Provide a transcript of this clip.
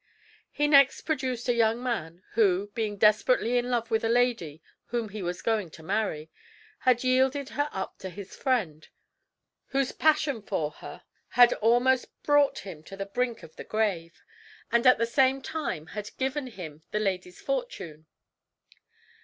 He next produced a young man who, being desperately in love with a lady whom he was going to marry, had yielded her up to his friend, whose passion for her had almost brought him to the brink of the grave, and at the same time had given him the lady's fortune.